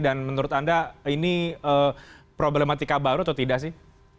dan menurut anda ini problematika baru atau tidak sih